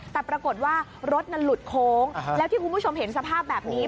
แต่ปรากฏว่ารถนั้นหลุดโค้งแล้วที่คุณผู้ชมเห็นสภาพแบบนี้